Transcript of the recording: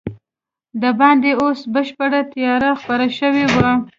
دباندې اوس بشپړه تیاره خپره شوې وه.